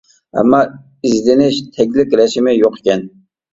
ئەمما ئىزدىنىش تەگلىك رەسىمى يوق ئىكەن.